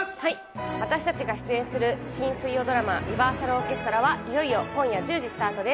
私たちが出演する新水曜ドラマ『リバーサルオーケストラ』はいよいよ今夜１０時スタートです。